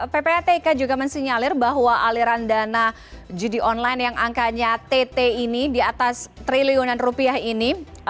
ppatk juga mensinyalir bahwa aliran dana judi online yang angkanya tt ini di atas triliunan rupiah ini